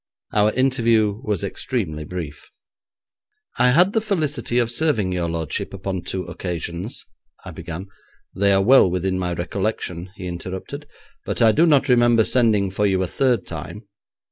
Our interview was extremely brief. 'I had the felicity of serving your lordship upon two occasions,' I began. 'They are well within my recollection,' he interrupted, 'but I do not remember sending for you a third time.'